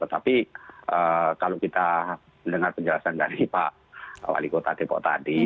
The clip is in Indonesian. tetapi kalau kita mendengar penjelasan dari pak wali kota depok tadi